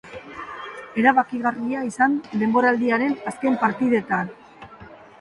Erabakigarria izan denboraldiaren azken partidetan.